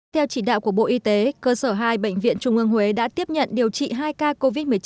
theo chỉ đạo của bộ y tế cơ sở hai bệnh viện trung ương huế đã tiếp nhận điều trị hai ca covid một mươi chín